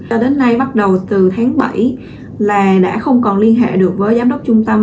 cho đến nay bắt đầu từ tháng bảy là đã không còn liên hệ được với giám đốc trung tâm